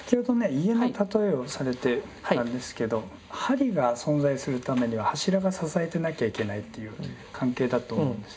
家の例えをされていたんですけど梁が存在するためには柱が支えてなきゃいけないという関係だと思うんです。